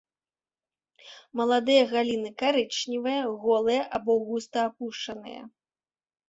Маладыя галіны карычневыя, голыя або густа апушаныя.